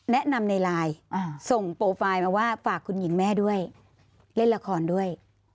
ในไลน์ส่งโปรไฟล์มาว่าฝากคุณหญิงแม่ด้วยเล่นละครด้วย